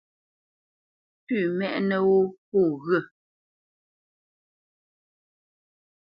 Pǔ mɛ́ʼnə́ wó pô ŋghyə̂.